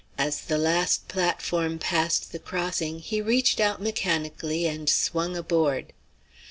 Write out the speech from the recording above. As the last platform passed the crossing, he reached out mechanically and swung aboard.